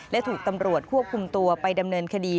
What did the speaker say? และถูกตำรวจควบคุมตัวไปดำเนินคดี